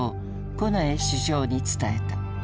近衛首相に伝えた。